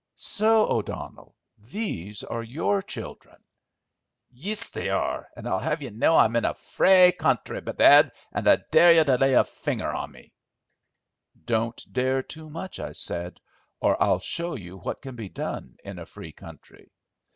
"So, O'Donnell, these are your children?" "Yis, they are; an' I'd have ye know I'm in a frae country, bedad, and I dare ye to lay a finger on me." "Don't dare too much," I said, "or I'll show you what can be done in a free country.